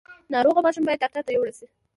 ناروغه ماشوم باید ډاکټر ته یووړل شي۔